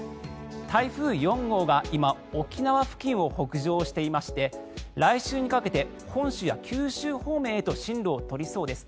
台風４号は今、沖縄付近を北上していまして来週にかけて本州や九州方面へと進路を取りそうです。